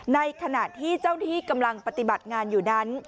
ในขณะที่เจ้าที่กำลังปฏิบัติงานอยู่นั้น